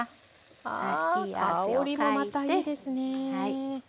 あ香りもまたいいですね。